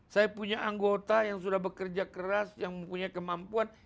saya punya anggota yang sudah bekerja keras yang mempunyai kemampuan